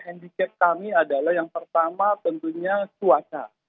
handicap kami adalah yang pertama tentunya cuaca